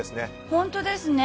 本当ですね。